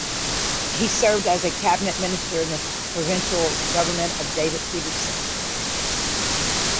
He served as a cabinet minister in the provincial government of David Peterson.